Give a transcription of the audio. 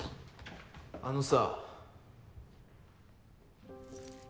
あのさ。